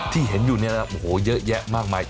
ที่เห็นอยู่เนี่ยโอ้โหเยอะแยะมากมาย